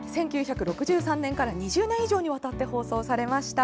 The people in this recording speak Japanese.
１９６３年から２０年以上にわたって放送されました。